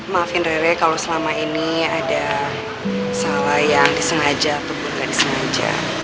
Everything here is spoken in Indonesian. maafin rere kalau selama ini ada salah yang disengaja atau bukan disengaja